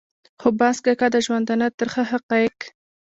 خو باز کاکا د ژوندانه ترخه حقایق.